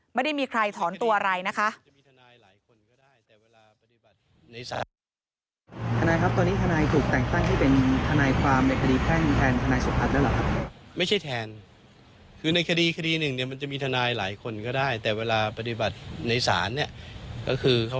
ไม่ได้มีใครถอนตัวอะไรนะคะ